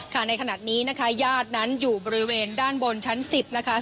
ในขณะนี้นะคะญาตินั้นอยู่บริเวณด้านบนชั้น๑๐นะคะ